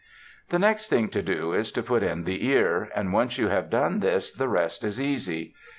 The next thing to do is to put in the ear; and once you have done this the rest is easy.